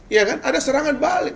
ya kan ada serangan balik